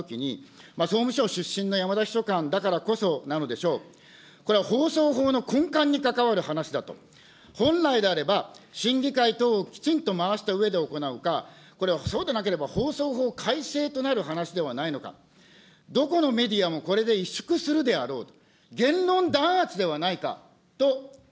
これ、極めて生々しい中で、当時のあんどう局長からの一連の経過説明を行ったときに、総務省出身のやまだ秘書官だからこそなのでしょう、これは放送法の根幹に関わる話だと、本来であれば、審議会等をきちんと回したうえで行うか、これ、そうでなければ放送法改正となる話ではないのか、どこのメディアもこれで萎縮するであろうと。